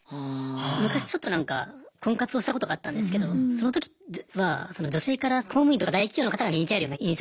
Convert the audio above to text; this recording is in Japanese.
昔ちょっとなんか婚活をしたことがあったんですけどその時は女性から公務員とか大企業の方が人気あるような印象があったんですよ。